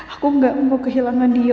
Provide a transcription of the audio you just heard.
aku gak mau kehilangan dia